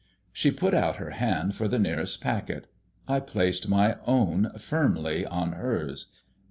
She put out her hand for the nearest packet. I placed my own firmly on hers.